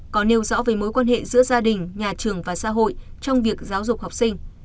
có nêu rõ về mối quan hệ giữa gia đình nhà trường và xã hội trong việc giáo dục học sinh